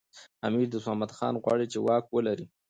امیر دوست محمد خان غواړي چي واک ولري.